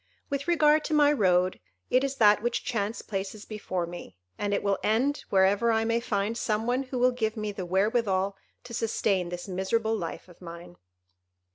With regard to my road, it is that which chance places before me, and it will end wherever I may find some one who will give me the wherewithal to sustain this miserable life of mine."